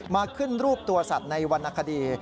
มาขึ้นรูปตัวสัตว์ในวรรณคดี